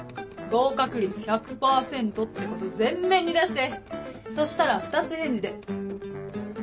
合格率１００％ってこと前面に出してそしたら二つ返事で。